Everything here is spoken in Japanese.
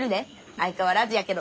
相変わらずやけど。